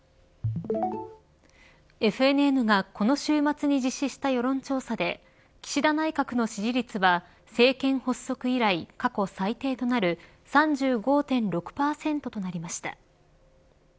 ＦＮＮがこの週末に実施した世論調査で岸田内閣の支持率は政権発足以来過去最低となる３５．６％となりました。